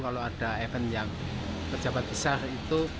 kalau ada event yang pejabat besar itu